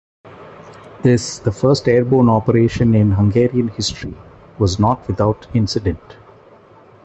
This, the first airborne operation in Hungarian history, was not without incident.